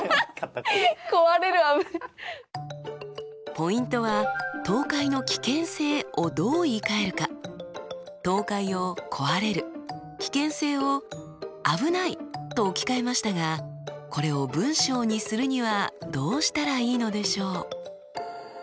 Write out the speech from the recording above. ポイントは「倒壊の危険性」をどう言いかえるか。と置き換えましたがこれを文章にするにはどうしたらいいのでしょう？